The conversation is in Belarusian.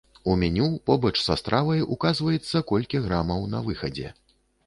У меню побач са стравай указваецца колькі грамаў на выхадзе.